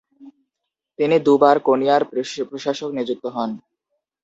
তিনি দুবার কোনিয়ার প্রশাসক নিযুক্ত হন।